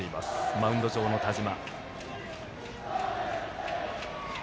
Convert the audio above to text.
マウンド上の田嶋。